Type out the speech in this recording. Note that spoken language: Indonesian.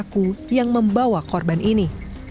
apakah ada yang membawa korban ini